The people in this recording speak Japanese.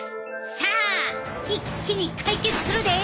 さあ一気に解決するで！